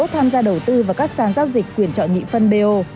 tham gia đầu tư vào các sàn giao dịch quyền chọn nhị phân bo